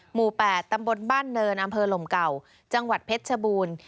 หมู่๘ตำบลบ้านเนินอำเภอลมเก่าจังหวัดเพชรชบูรณ์